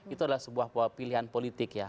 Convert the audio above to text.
itu adalah sebuah pilihan politik ya